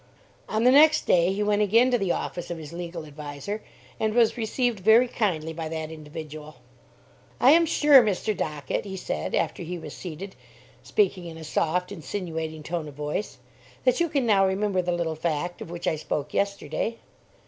On the next day, he went again to the office of his legal adviser, and was received very kindly by that individual. "I am sure, Mr. Dockett," he said, after he was seated, speaking in a soft, insinuating tone of voice, "that you can now remember the little fact of which I spoke yesterday."